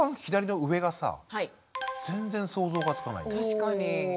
確かに。